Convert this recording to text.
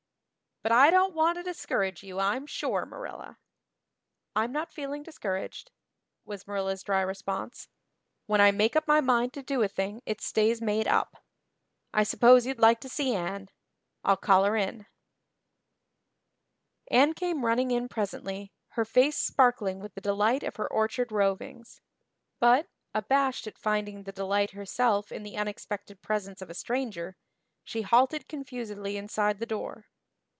But I don't want to discourage you I'm sure, Marilla." "I'm not feeling discouraged," was Marilla's dry response, "when I make up my mind to do a thing it stays made up. I suppose you'd like to see Anne. I'll call her in." Anne came running in presently, her face sparkling with the delight of her orchard rovings; but, abashed at finding the delight herself in the unexpected presence of a stranger, she halted confusedly inside the door.